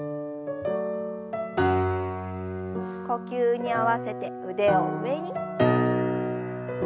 呼吸に合わせて腕を上に。